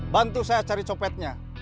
bantu saya cari copetnya